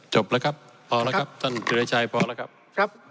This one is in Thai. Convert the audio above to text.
จบละครับพอละครับท่านเจริญชายพอและครับ